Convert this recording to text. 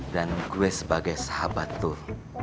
dan gue sebagai sahabat tuh